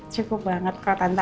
cukup banget kok tante